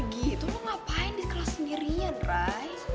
gitu lu ngapain di kelas sendirian right